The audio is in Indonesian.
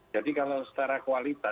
jadi kalau secara kuat